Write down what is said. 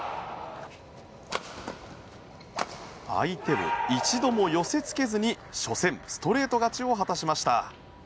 相手を一度も寄せ付けずに初戦、ストレート勝ちを見せました。